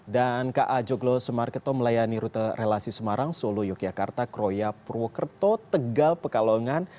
dan ka joglo semarketo melayani rute relasi semarang solo yogyakarta kroya purwokerto tegal pekalongan